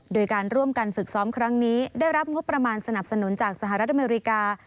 โดยการร่วมกันฝึกซ้อมครั้งนี้ได้รับงบประมาณสนับสนุนจากสหรัฐอเมริกา